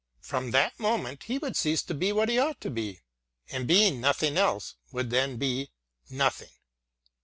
From that moment he would cease to be what he ought to be ; and being nothing else, would then be — nothing.